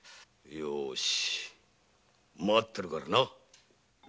よし待ってるからな。